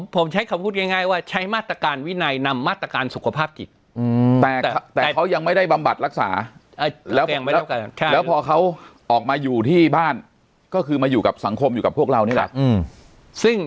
แต่เขายังไม่ได้บำบัดรักษาแล้วพอเขาออกมาอยู่ที่บ้านก็คือมาอยู่กับสังคมอยู่กับพวกเรานี่แหละ